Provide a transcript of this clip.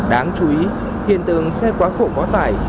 đáng chú ý hiện tượng xe quá khổ quá tải